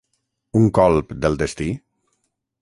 Un colp del destí?